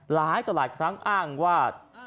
หลายต่อหลายครั้งอ้างว่า